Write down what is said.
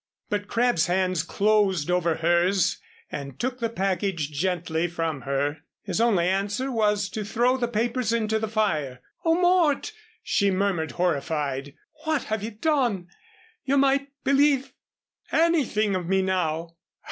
But Crabb's hands closed over hers and took the package gently from her. His only answer was to throw the papers into the fire. "Oh, Mort," she murmured, horrified, "what have you done you might believe anything of me now."